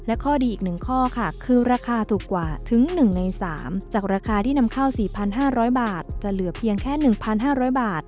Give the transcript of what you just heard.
และข้อดีอีก๑ข้อค่ะคือราคาถูกกว่าถึง๑ใน๓จากราคาที่นำเข้า๔๕๐๐บาทจะเหลือเพียงแค่๑๕๐๐บาท